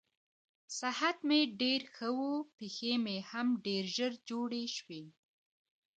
صحت مې ډېر ښه و، پښې مې هم ژر جوړې شوې.